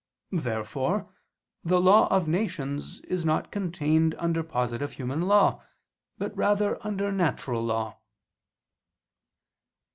Therefore the law of nations is not contained under positive human law, but rather under natural law.